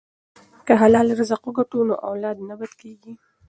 که حلال رزق وګټو نو اولاد نه بد کیږي.